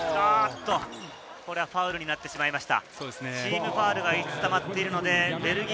これはファウルになってしまいました。